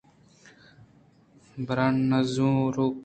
برانزوک